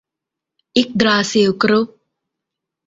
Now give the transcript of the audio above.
อิ๊กดราซิล กรุ๊ป